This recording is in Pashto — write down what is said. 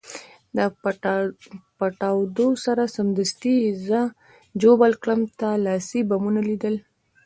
له پټاودو سره سمدستي یې زه ژوبل کړم، تا لاسي بمونه لیدلي؟